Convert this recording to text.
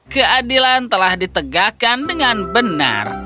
keadilan telah ditegakkan dengan benar